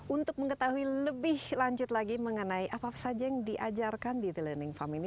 untuk mengetahui lebih lanjut lagi mengenai apa saja yang diajarkan di the learning farm ini